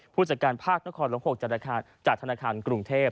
ผู้จัดการภาคนครหลวง๖จากธนาคารกรุงเทพ